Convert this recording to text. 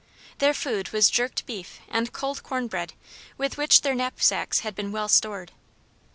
Their food was jerked beef and cold corn bread, with which their knapsacks had been well stored.